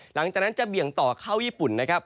หลังจากนั้นจะเบี่ยงต่อเข้าญี่ปุ่นนะครับ